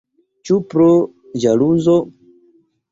Ĉu pro ĵaluzo?